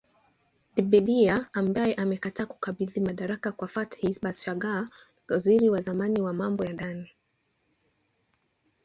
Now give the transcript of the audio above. Dbeibah ambaye amekataa kukabidhi madaraka kwa Fathi Bashagha, waziri wa zamani wa mambo ya ndani